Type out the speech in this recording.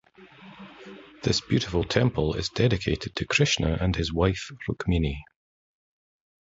This beautiful temple is dedicated to Krishna and his wife Rukmini.